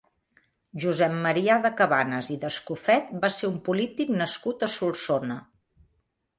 Josep Marià de Cabanes i d'Escofet va ser un polític nascut a Solsona.